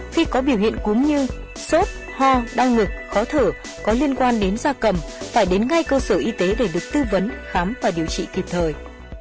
khi có biểu hiện cúm như sốt ho đau ngực khó thở có liên quan đến da cầm phải đến ngay cơ sở y tế để được tư vấn khám và điều trị kịp thời